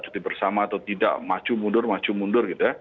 cuti bersama atau tidak maju mudur maju mudur